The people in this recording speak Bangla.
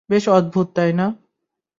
বেশ অদ্ভূত, তাই না?